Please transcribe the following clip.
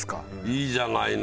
いいじゃないの。